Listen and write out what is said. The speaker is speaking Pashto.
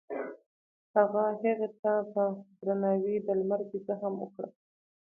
هغه هغې ته په درناوي د لمر کیسه هم وکړه.